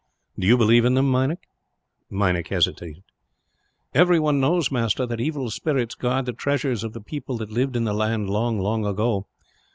"Do you believe in them, Meinik?" Meinik hesitated. "Everyone knows, master, that evil spirits guard the treasures of the people that lived in the land long, long ago.